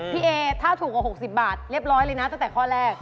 เอถ้าถูกกว่า๖๐บาทเรียบร้อยเลยนะตั้งแต่ข้อแรก